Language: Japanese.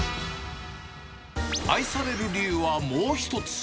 愛される理由はもう１つ。